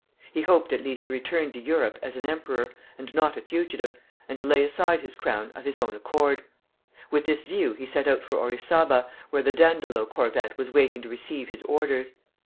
He hoped at least to return to Europe as an emperor, and not a fugitive, and to lay aside his crown of his own accord. With this view he set out for Orizaba, where the "Dandolo" corvette was waiting to receive his orders.